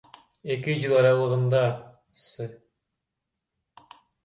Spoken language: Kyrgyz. Эки жыл аралыгында С.